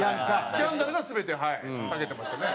スキャンダルが全て下げてましたね。